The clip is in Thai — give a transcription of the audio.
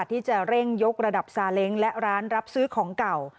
ที่จะเร่งยกระดับซาเล้งและร้านรับซื้อของเก่า